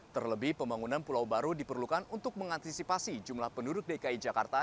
terlebih pembangunan pulau baru diperlukan untuk mengantisipasi jumlah penduduk dki jakarta